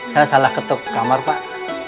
saya salah ketuk kamar pak